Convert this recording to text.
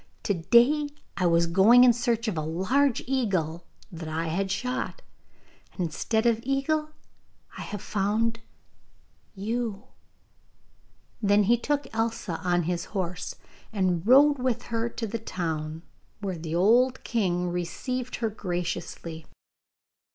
To day I was going in search of a large eagle that I had shot, and instead of the eagle I have found you.' Then he took Elsa on his horse, and rode with her to the town, where the old king received her graciously.